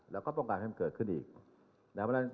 แล้วก็ต้องการให้มันเกิดขึ้นอีกนะครับ